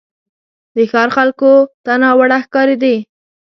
د ښار خلکو ته ناوړه ښکارېدی.